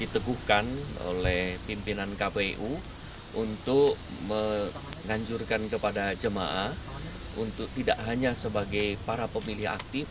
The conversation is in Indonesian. diteguhkan oleh pimpinan kpu untuk menganjurkan kepada jemaah untuk tidak hanya sebagai para pemilih aktif